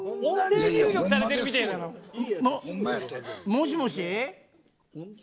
もしもし。